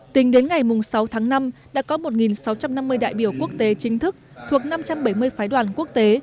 tính đến ngày sáu tháng năm đã có một sáu trăm năm mươi đại biểu quốc tế chính thức thuộc năm trăm bảy mươi phái đoàn quốc tế